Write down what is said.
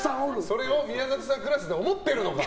それを宮里さんクラスで思ってるのか。